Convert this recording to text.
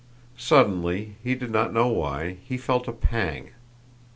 Suddenly, he did not know why, he felt a pang.